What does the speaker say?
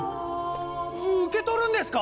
受け取るんですか！？